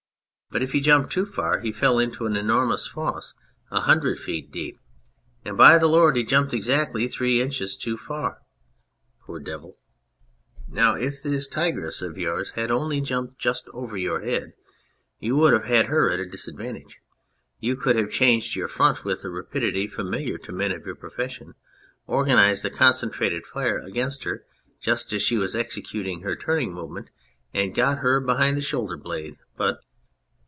But if he jumped too far he fell into an enormous fosse a hundred feet deep. And, by the Lord, he jumped exactly three inches too far ! Poor devil !... Now, if this tigress of 249 On Anything yours had only jumped just over your head you would have had her at a disadvantage. You could have changed your front with the rapidity familiar to men of your profession, organised a concentrated fire against her just as she was executing her turning movement, and got her behind the shoulder blade. But